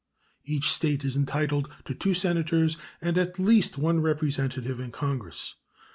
Each State is entitled to two Senators and at least one Representative in Congress.